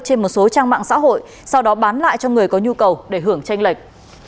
trên một số trang mạng xã hội sau đó bán lại cho người có nhu cầu để hưởng tranh lệch